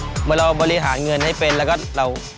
เหมือนเราบริหารเงินให้เป็นแล้วก็เรา